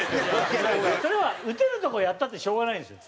それは打てるとこやったってしょうがないんですよ。